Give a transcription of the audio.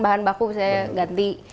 bahan baku misalnya ganti